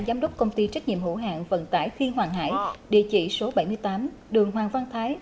giám đốc công ty trách nhiệm hữu hạng vận tải phi hoàng hải địa chỉ số bảy mươi tám đường hoàng văn thái